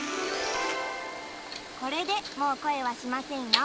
これでもうこえはしませんよ。